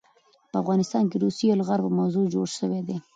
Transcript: په افغانستان د روسي يلغار په موضوع جوړ شوے دے